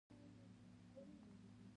درېښو دروح درګه ، دشاهرګه